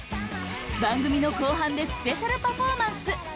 番組の後半でスペシャルパフォーマンス！